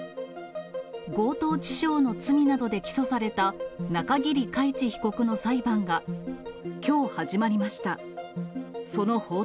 強盗致傷の罪などで起訴された、中桐海知被告の裁判が、きょう始まりました。